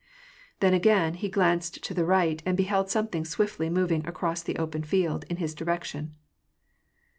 Then again he glanced to the right, and beheld something swiftly moving across the open field, in his direction.